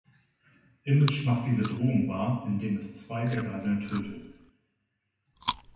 Image macht diese Drohung wahr, indem es zwei der Geiseln tötet.